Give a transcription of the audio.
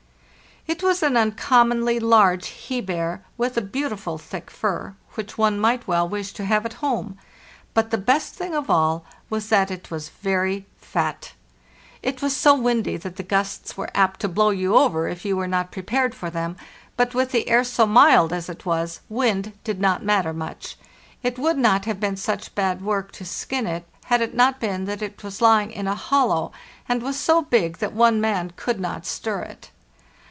It was an uncommonly large he bear, with a beautiful thick fur, which one might well wish to have at home; but the best thing of all was that it was very THE NEW VEAR, 1896 471 fat. It was so windy that the gusts were apt to blow you over if you were not prepared for them; but with the air so mild as it was, wind did not matter much; it would not have been such bad work to skin it had it not been that it was lying in a hollow and was so big that one man could not stir it.